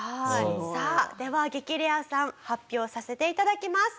さあでは激レアさん発表させて頂きます。